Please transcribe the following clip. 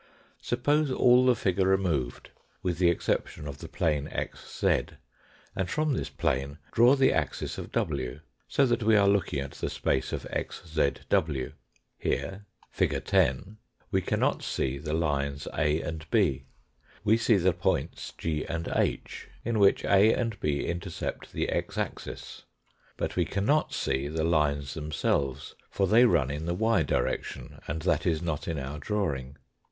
Sup pose all the figure removed B Fig. 9 (137). with the exception of the plane xz, and from this plane draw the axis of w, so that we are looking at the space of xzw. Here, fig. 10, we cannot see the lines A and B. We see the points G and H, in which A and B intercept the x axis, but we cannot see the lines themselves, for they run in the y direction, and that is not in our drawing.